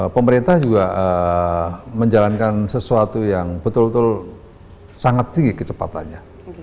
pemerintah juga menjalankan sesuatu yang betul betul sangat tinggi kecepatannya